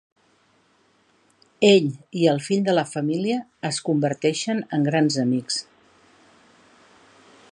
Ell i el fill de la família es converteixen en grans amics.